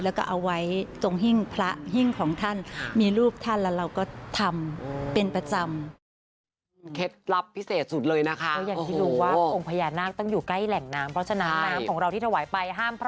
แล้วก็เอาไว้ตรงหิ้งพระหิ้งของท่านมีรูปท่านแล้วเราก็ทำเป็นประจำ